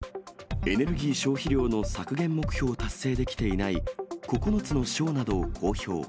習近平指導部は先月、エネルギー消費量の削減目標を達成できていない９つの省などを公表。